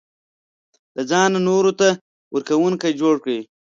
له ځانه نورو ته ورکوونکی جوړ کړي.